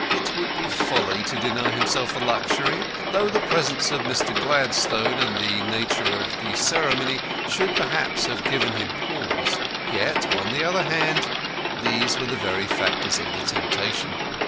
It would be folly to deny himself the luxury, though the presence of Mr. Gladstone and the nature of the ceremony should perhaps have given him pause. Yet, on the other hand, these were the very factors of the temptation.